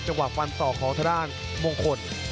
จังหวะควันต่อของทะดานมงคล